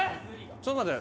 ちょっと待って。